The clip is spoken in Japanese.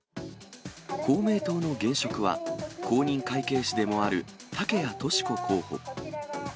公明党の現職は、公認会計士でもある竹谷とし子候補。